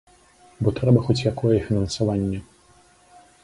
Бо трэба хоць якое фінансаванне.